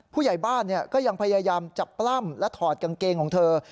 ผู้ใหญ่บ้านก็ยังพยายามจับปล้ำและถอดกางเกงของเธอ